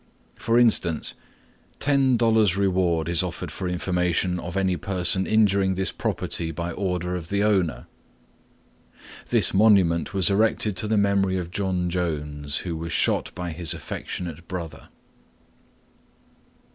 For instance: "Ten dollars reward is offered for information of any person injuring this property by order of the owner." "This monument was erected to the memory of John Jones, who was shot by his affectionate brother."